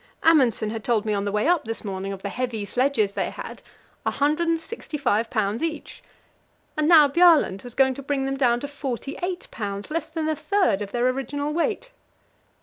Amundsen had told me on the way up this morning of the heavy sledges they had 165 pounds each. And now Bjaaland was going to bring them down to 48 pounds, less than a third of their original weight.